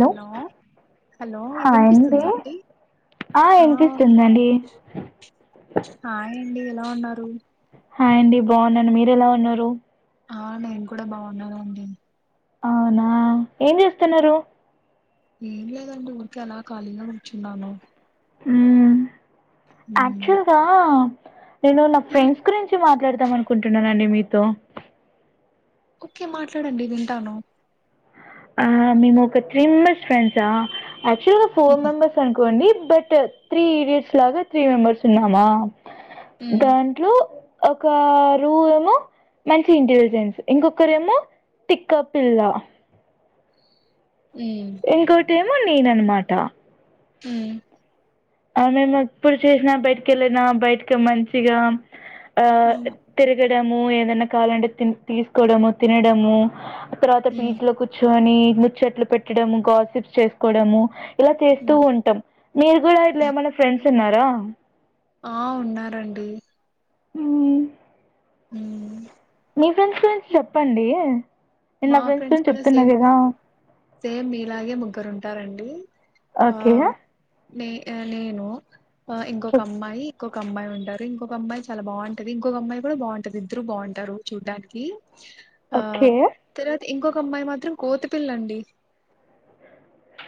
Hello hello ఇ వినిపిస్తుందా అండి ఆ వినిపిస్తుందండి హాయ్ అండి ఎలా ఉన్నారు హాయ్ అండి బాగున్నాను మీరు ఎలా ఉన్నారు ఆ నేను కూడా బాగున్నానండి అవునా ఏం చేస్తున్నారు ఏం లేదండి ఊరికి అలా ఖాళీగా కూర్చున్నాను ఉ మ్మ్ ఆక్చువల్గా నేను నా ఫ్రెండ్స్ గురించి మాట్లాడతాం అనుకుంటున్నానండి మీతో ఓకే మాట్లాడండి వింటాను ఆ మేము ఒక త్రీ మెంబర్స్ ఫ్రెండ్సా యాక్చువల్గా ఫోర్ మ్మ్ మెంబెర్స్ అనుకోండి బట్ త్రీ ఈడియట్స్ లాగా త్రీ మెంబర్స్ ఉన్నామా దాంట్లో ఒక రూ ఏమో మంచి ఇంటెలిజెన్స్ ఇంకొకరేమో టిక్క పిల్ల ఉ తేమో నేన్ అనమాట ఉ ఆమె ఏమో ఎప్పుడు చేసినా బయటిక వెళ్ళిన బయటకి మంచిగా ఆ మ్మ్ మ్మ్ తిరగడము ఏదైనా కాలంటే తీసుకోవడము తినడము ఆ తర్వాత మ్మ్ బీచ్ లో కూర్చుని ముచ్చట్లు పెట్టడము గాసిప్స్ చేసుకోవడము ఇలా చేస్తూ మ్మ్ ఉంటాం మీరు కూడా ఇట్లా మ్మ్. ఏమైనా ఫ్రెండ్స్ ఉన్నారా ఆ ఉన్నారండి ఉ హు మీ ఫ్రెండ్స్ గురించి చెప్పండి నేను మా నా ఫ్రెండ్స్ గురించి కూడా చెప్తున్నా సేమ్ కదా సేమ్ మీలాగే ముగ్గురు ఉంటారండి ఓకే ఆ నే నేను ఇంకొక అమ్మాయి ఇంకోక అమాయి ఉంటాది ఇంకొక అమ్మాయి చాలా బాగుంటది ఇంకొక అమ్మాయి కూడా బాగుంటది ఇద్దరు బాగుంటారు చూడ్డానికి ఆ ఒకే తర్వాత ఇంకొక అమ్మాయి మాత్రం కోతిపిల్లండి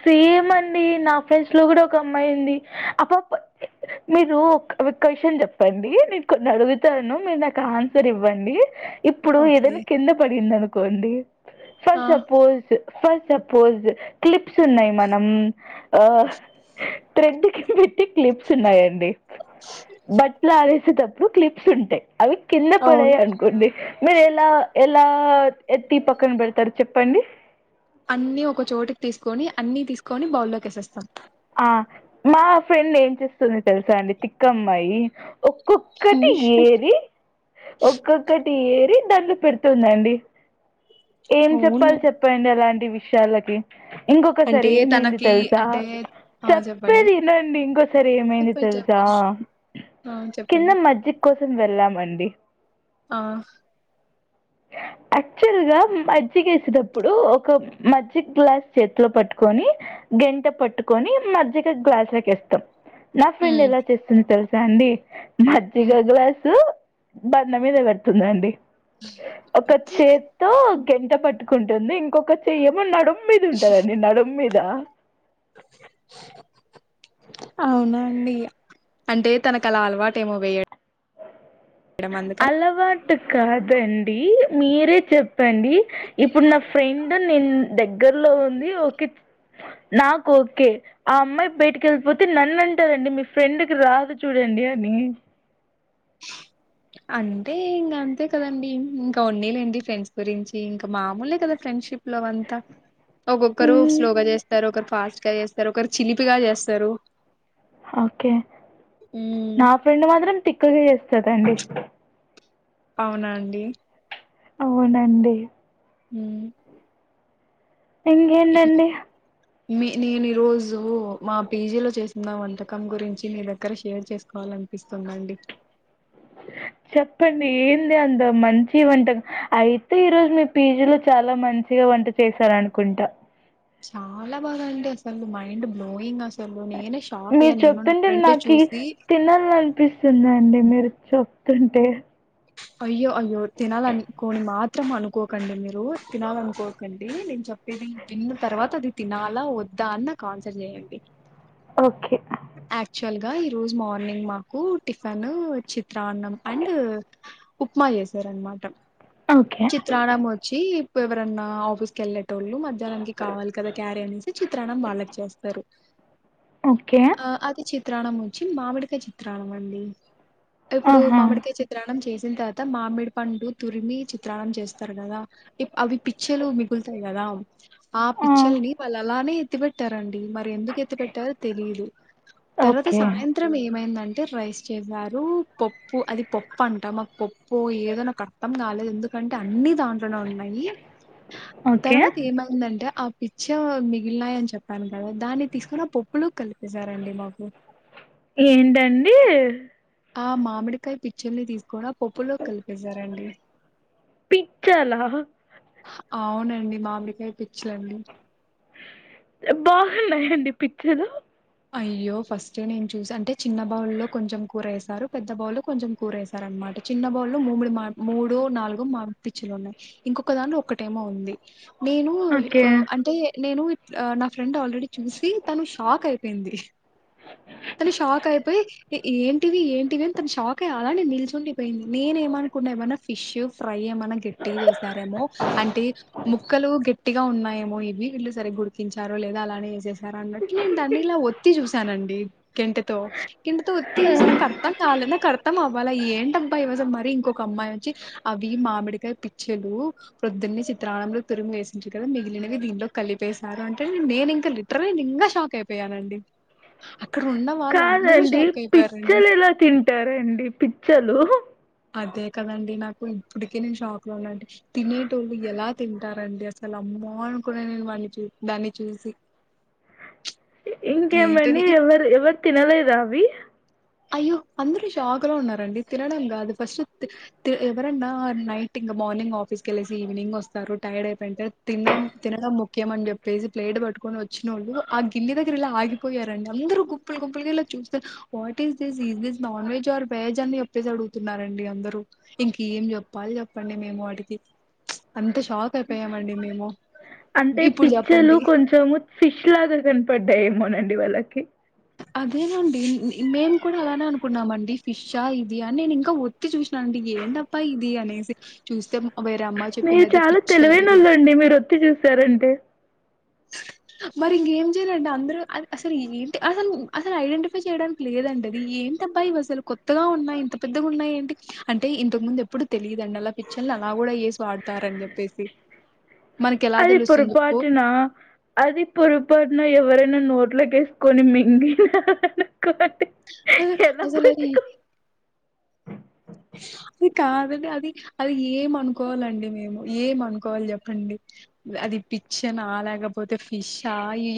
సేమ్ అండి నా ఫ్రెండ్స్ లో కూడా ఒక అమ్మాయింది అప్ప మీరు ఒక క్వశ్చన్ చెప్పండి నేను కొన్ని అడుగుతాను మీరు నాకు ఆన్సర్ ఇవ్వండి ఇప్పుడు ఓకే ఏదైనా కింద పడింద అనుకోండి ఫర్ ఆ సపోజ్ ఫస్ సపోజ్ క్లిప్స్ ఉన్నాయి మనం ఆ థ్రెడ్ కి పెట్టి క్లిప్స్ ఉన్నాయండి బట్టలు ఆరేసేటప్పుడు క్లిప్స్ ఉంటాయి అవి కింద అవును పడాయి అనుకోండి మీరు ఎలా ఎలా ఆ ఎత్తి పక్కన పెడతారు చెప్పండి అన్ని ఒక చోటుకి తీసుకొని అన్ని తీసుకొని బౌల్లోకెసేస్తాం ఆ మా ఫ్రెండ్ ఏం చేస్తుంది తెలుసా అండి తిక్కమ్మాయి ఒక్కొక్కటి ఏరి ఒక్కొక్కటి ఏరి దానిలో పెడుతుందండి ఏం అవునా చెప్పాలి చెప్పండి అలాంటి విషయాలకి ఇంకొకసారి అంటే ఏమైంది తనకి తెలుసా అంటే ఆ చెప్పండి చెప్పేదినండి ఇంకోసారి ఏమైంది చెప్పండి తెలుసా చెప్పండి ఆ కింద చెప్పండి మజ్జిక్ కోసం వెళ్ళామండి ఆ ఆ యాక్చువల్ గా మజ్జిగ వేసేటప్పుడు ఒక మజ్జిగ గ్లాస్ చేతిలో పట్టుకొని గంట పట్టుకొని మజ్జిగ గ్లాస్ లకి ఎస్తాం నా ఫ్రెండ్ ఉమ్ ఎలా చేస్తుంది తెలుసా అండి ఉమ్. మజ్జిగ గ్లాసు బండ మీద కడుతుందండి ఒక చేత్తో గంట పట్టుకుంటుంది ఇంకొక చెయ్ ఏమో నడు మీద ఉంటదండి నడు మీద ఆ అవునా అండి అంటే తనకు అలా అలవాటు ఏమో వేయ అలవాటు కాదండి మీరే చెప్ ప్పండి ఇప్పుడు నా ఫ్రెండ్ నేను దగ్గర్లో ఉంది ఒక నాకు ఓకే ఆ అమ్మాయి బయటక వెళ్ళిపోతే నన్ను అంటారండి మీ ఫ్రెండ్కి రాదు చూడం డి అని అంటే ఇంకా అంతే కదండి ఇంకా వన్ని లేండి ఫ్రెండ్స్ గురించి ఇంకా మామూలే కదా ఫ్రెండ్షిప్ లో అంతా ఒక్కొక్కరు మ్మ్. స్లోగా చేస్తారు ఒక ఫాస్ట్ గా చేస్తారు ఒకరు చిలిపిగా చేస్తారు ఓకే హ్మ్ నా ఫ్రెండ్ మాత్రం తిక్కుగా చేస్తదండి అవునా అండి అవునండి హు ఇంకెందండి మీ నేను ఈరోజు మా పేజీలో చేసిన వంటకం గురించి మీ దగ్గర షేర్ చేసుకోవాలం అనిపిస్తుందండి అ చెప్పండి ఏంది అంద మంచి వంటం అయితే ఈ రోజు మీ పీజీలో చాలా మంచి గా వంట చేసారనుకుంటా చాలా బాగా అండి అసలు మైండ్ బ్లోయింగ్ అసలు నను మీరు చెప్పంటే నాకు తినాల అనిపిస్తుంది అడి మీరు చెప్తుంటే అయ్యో అయ్యో తినాలనుకోని మాత్రం అనుకోకండి మీరు తినాలనుకోకండి నను చెప్పేది విన్న తర్వాత అది తినాలా వద్దా అని నాకు ఆన్సర్ చేయండి ఓకే యాక్చువల్ ఈ రోజు మార్నింగ్ మాకు టిఫిన్ చిత్రాన్నం అండ్ ఉప్మా చేసారనమాట ఓకే చిత్రాన్నం వచ్చి ఎవరన్నా ఆఫీస్కి వెళ్ళట్ తోళ్ళు మధ్యాహ్నం కి కావాలి కదా క్యారీ అనేసి చిత్రాన్నం వాళ్ళ చేస్తారు ఓకే ఆ అది చిత్రాలం వచ్చి మామిడికా చిత్రాలం అండి ఇప్పుడు ఆహా మామిడికై చె చేసిన తర్వాత మామిడి పండు తురిమి చిత్రానం చేస్తారు కదా అవి పిక్చర్లు మిగుతా కదా ఆ పిచ్చల్ని వాళ్ళు అలానే ఎత్తి పెట్టారండి మరి ఎందుకు ఎత్తి పెట్టార తెలిదు తర్వాత ఓకే సాయంత్రం ఏమైందం అంటే రైస్ చేసారు పప్పు అది పప్పు ప్ప అంటా మా పప్ప ఏదో నక్ కట్టం కాలే ఎం కంటే అన్ని దాంట్లోనే ఉన్నాయి ఓకే తర్వాత ఏమైందంటే ఇచ్చ్య మిగిలినాయ అని చెప్పాను దాన్ని తీసుకుని పప్పులు కలిపేసరండి బాబు ఏంటండి ఆ మామిడికాయ పిచ్చల్ని తీసుకో పప్పులోకి కలిపేశారండి పిచ్చాల అవునండి మామకాయి పిచ్చలేండి బాగున్నాయండి పిచ్చలు అయ్యో ఫస్ట్ నేను చూసి అంటే చిన్న బౌల్లో కొంచెం కూరేసారు పెద్ద బౌలు కొంచెం కూరేసారు నమాట చిన్న బాల్ లో మమ్ముడు మా మూడు నాలుగుో మా పిచ్చులు ఉన్నాయి ఇంకొకదాని ఒక్కటేమో ఉంది నేను ఓకే అంటే నేను నా ఫ్రెండ్ ఆల్రెడీ చూసి తను షాక్ అయి పొయింది తను షాకైపొయ్ ఎ ఏంటివి ఏంటివి అని తన్ షాకై అలానె నిల్చుండిపొయ్ంది నేనే మన్కున్నేమన్న ఫిష్షు ఫ్రై ఏమన్న గట్టిగ్ జేసారేమో అంటే ముక్కలు గెట్టిగా ఉన్నాయేమొ ఇవి ఈళ్ళు సరిగ్గుడికించారో లేదొ అలానే ఏసేసారన్నట్లు నేన్ డ నిలా ఒత్తి జూసానండి కెంటెతో కెంటెతో ఒత్తి జూసా నాకర్థం కాలె నాకర్థం అవ్వాల అ ఏంటబ్బా ఈవసల్ మరీ ఇంకొకమ్మాయొచ్చి అవి మామిడికాయ్ పిచ్చెలు ప్రొద్దున్నె చిత్రా త్రానంలో తురుమి వేసింట్రి కద మిగిలినవి దీంట్లో కలిపేశారు అంటే నేనింక లిట్రలి నేనింగా షాకైపొ పెయ్యానండి కాదండి పిచ్చెలెలా తింటారండి పిచ్చెలు అదే కదండి నాకు ఇప్పుటికీ నేను షాక్ లో ఉన్నానండి తినేటోళ్ళు ఎలా తింటారండి అసల అమ్మా అన్కున్న నేను వాన్ని చూ దాన్ని చూసి ఇ ఇంకేమని ఏంటిది ఎవర్ర్ ఎవర్ తినలేదా అవ్వి అయ్యొ అందురు షాక్ లొ ఉన్నారండి తినడం గాదు ఫస్ట్ త్ త్ ఎవరన్నా నైటింగ మార్నింగ్ ఆఫీస్కెళ్సేసి ఈవినింగొస్తారు టైడైపొయ్ంటర్ తినం తినడం ముఖ్యమన్ జేప్పేసి ప్లేట్ బట్ ట్కోనొచ్చినోళ్ళు అ గిన్నె దగ్గరిలా ఆగిపోయారండి అంద్రూ గుప్పులు గుంపులుగిలా చూస్తా what teas this is this non veg or veg అన్ జెప్పేసి అడుగ్తున్నారండి అందరూ ఇంకేం జెప్పాలి జెప్ప ప్పండి మేము ఆటికి ప్చ్ అంత షాకైపోయామండి మేము అంటే ఇప్పుడు పిచ్చెలు చెప్పండి కొంచము ఫిష్ లాగ కన్పడ్డాయేమోనండి వాళ్ళకి అదేనండి మె మేమ్ కూడా అలానే అనుకున్నామండి ఫిష్షా ఇది అన్ నేనింకా వొత్తి చూష్నాన్ డి ఏంటప్పా ఇది అనేసి చూస్తేమ్ మీర్ చాలా తెలివైనొళ్ళండి మీరొత్తి జూసారంటె అ మరింగేం జేయ్లండి అంద్రూ అ అసలేంటి అసలు అసలైడెంటిఫై చేయ్డానికి లేదండది ఏ ఏంటబ్బా ఇవిసలు కొత్తగా ఉన్నాయ్ ఇంత పెద్దగున్నాయేంటి అంటే ఇంతక్ ముందెప్పుడు తెలీదండి అలా పిచ్చల్నలా అవ్ గూడా యేస్ వాడ్తారన్ జెప్పేసి ఐ పొరపాటున అది పొరపాట్న ఎవరన్నా నోట్లేకేస్కొని మింగి కోటె ఎలా అసలు అది బట్కొ అది కాదండి అది అది ఏమన్కోవాలండి మేము ఏమన్కోవాల్ జెప్ పండి ద అది పిచ్చనా లేకపోతే ఫిష్షా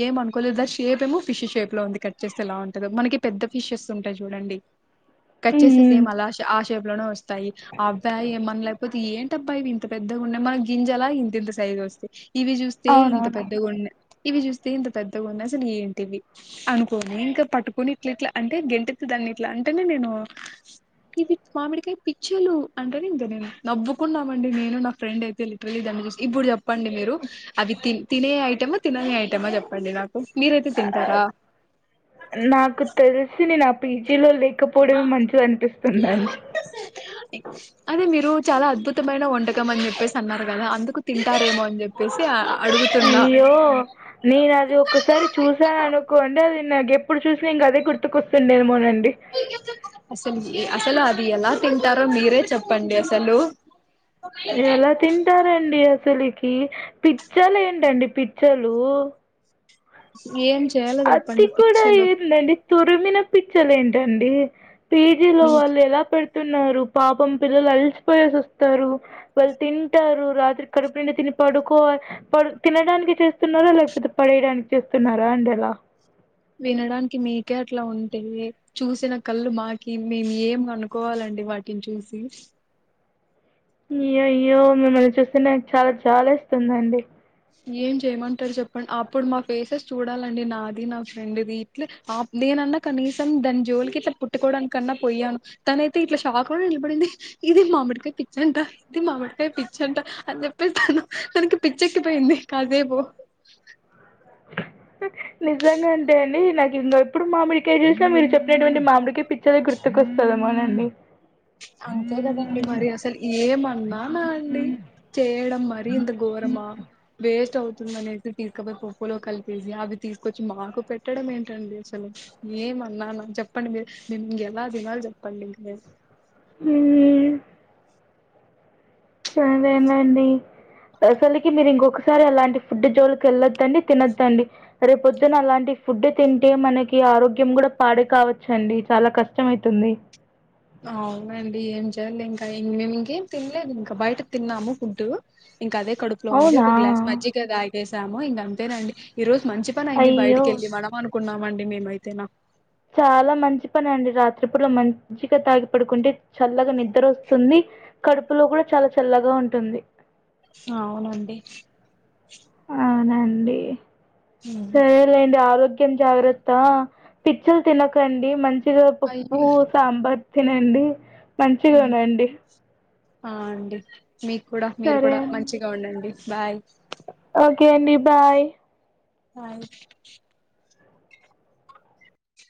ఏమన్కోలేద్దా షేపేమొ ఫిష్ షేప్ లొ ఉంది కట్ చేస్తె ఎలా ఉంటదొ మనకి పెద్ద ఫిష్షెస్ ఉంటయ్ జూడండి కట్చేసె ఉమ్ సేమలాష ఆష్ అనో వస్తాయి అవ్యా ఏమన్ లేక్పోతె ఏంటబ్బా ఇవి ఇంత పెద్దగున్నయ్ మన గింజలా ఇంతంత సైజొస్తయ్ ఇవి జూస్తే ఇంత అవునవునవును పెద్దగున్నయ్ ఇవి జూస్తే ఇంత పెద్దగన్నయ్ అసలేంటివి అనుకోని ఇంక పట్టుకొని ఇట్లిట్ల అంటె గెంటె తొ దాన్నిట్ల అంటెనె నేను ఇది మామిడ్కాయ్ పిచ్చెలు అంటేనె ఇంక నేను నవ్వుకున్నామండి నేనూ న ఫ్రెండైతె లిట్రలీ దాన్ని జూసి ఇబ్బు [unintelligible] చెప్పండి మీరు అది తి తినే ఐటమా తినని ఐటమా జెప్పండి నాక్ ఆ నాకు తెల్సి నేనప్ పీజీలొ లేకపోడమే మంచిదన్పిస్తుందండి అది మీరు చాలా అద్భుతమైన వంటకమన్ జెప్పేసి అన్నార్ గదా అందుకు తింటారేమో అన్ జెప్పేసి అ అ అయ్యో నేనది ఒకసారి చూసాననుకోండి అది నాగెప్పుడ్ చూసిన ఇంగదే గుర్తుకొస్తుందేమోనన్ అసలు ఎ అసలు అది ఎలా తింటారో మీరే చెప్పండి అసలు ఎలా తింటారండి అసలి కీ పిచ్చలు ఏంటండి పిచ్చలు ఏం చేయాలో అది చెప్పండి కూడా పిచ్చలు ఏందండి తురిమిన పిచ్చలు ఏంటండి పీజీ లో మీ వాళ్ళు ఎలా ప్రిపేర్ చేస్తున్నారు పాపం పిల్లలు అలిసిపోయేసి వస్తారు వాళ్ళు తింటారు రాత్రి కడుపు నిండి తి పడుకో వాళ్ళు తినడానికి చేస్తున్నారా లేకపోతే పడేయడానికి చేస్తున్నారా అండి ఆలా వినడానికి మీకే అట్లా ఉంటే చూసిన కళ్ళు మాకి మేము ఏం కనుకోవాలంట అండి వాటిని చూసి అయ్యో అయ్యో మిమ్మల్ని చూస్తే నాకు చాలా జాలేస్తుంది అండి ఏం చేయమంటారు చెప్పండి అప్పుడు మా ఫేసెస్ చూడాలండి నాది నా ఫ్రెండ్ది ఇట్ నేను న్నా కనీసం దాని జోలికి ఇట్లా పుట్టుకోవడానికన్నా పోయాను తనయితే ఇట్లా షాక్ లో నిలబడింది ఇది మామిడికాయ పిచ్చంట ఇది మామిడికాయ పిచ్చంట అని చెప్పే తాను తనకి పిచ్చి పోయింది కాసేపు నిజంగా అంటే అండి నాకు ఇంకా ఇప్పుడు మామిడికే చూసినా మీరు చెప్పినటువంటి మామిడికి పిచ్చర గుర్తుకొస్తదమోనండి అంతే కదండి మరి అసలు ఏమన్నానా అండి చేయడం మరి ఇంత ఘోరమా వేస్ట్ అవుతు ప అనేసి తీసుకపోయి పప్పులో కలిపేసి అవి తీసుకొచ్చి మాకు పెట్టడం ఏంటండి అసలు ఏం అన్నా చెప్పండి మీరు ఎలా తినాలి చెప్పండి ఇ ఉ సరేనండి అసలుకి మీరు ఇంకొకసారి అలాంటి ఫుడ్ జోలికి వెళ్ళొద్దండి తినొద్దండి రేపు పొద్దున అలాంటి ఫుడ్ తింటే మనకి ఆరోగ్యం కూడా పాడే కావచ్చు అండి చాలా కష్టం అవుతుంది అవునండి ఏం ఇంకా నేను ఇంకేం తినలేదు ఇంకా బయట తిన్నాము ఫుడ్ ఇంకా అదే కడుపులో ఉంది అవునా ఒక గ్లాస్ మజ్జగగా తగేసాము ఇంకా అంతేనండి ఈ రోజు మంచి పని అయింది అయ్యో బయటికి వెళ్ళి మనం అనుకున్నామండి మేమైతేనా చాలా మంచి పని అండి రాత్రిపూట మంచిగా తాగి పడుకుంటే చల్లగా నిద ద్ర వస్తుంది కడుపులో కూడా చాలా చల్లగా ఉంటుంది అవునండి అవునండి ఉమ్. సరే లేండి ఆరోగ్యం కెం జాగ్రత్త పిచ్చలు తినకండి మంచిగా పప్పు అయ్యో సాంబార్ తినండి మంచిగా ఉమ్. ఉనండి ఆ అండి మీకు కూడా మీరు సరే కూడా అండి మంచిగా ఉండండి బాయ్ ఓకే అండి బాయ్ బాయ్